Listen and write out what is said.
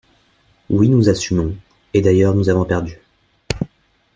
Oui, nous assumons – et d’ailleurs nous avons perdu